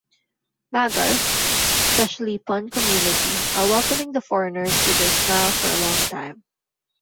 Magars specially Pun community are welcoming the foreigners with their smile for long time.